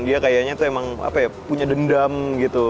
dia kayaknya tuh emang apa ya punya dendam gitu